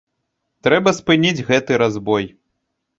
Трэба спыніць гэты разбой!